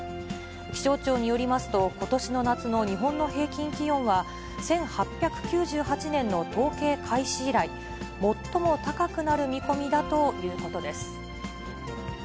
気象庁によりますと、ことしの夏の日本の平均気温は、１８９８年の統計開始以来、最も高くなる見込みだということです。